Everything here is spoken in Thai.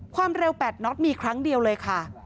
ความเร็ว๘น็อตมีครั้งเดียวเลยค่ะ